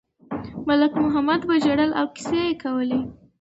ملک محمد به ژړل او کیسې یې کولې.